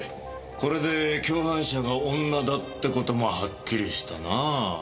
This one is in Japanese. これで共犯者が女だって事もハッキリしたなぁ。